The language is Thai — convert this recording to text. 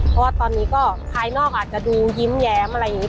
เพราะว่าตอนนี้ก็ภายนอกอาจจะดูยิ้มแย้มอะไรอย่างนี้